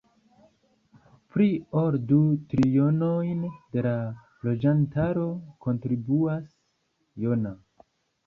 Pli ol du trionojn de la loĝantaro kontribuas Jona.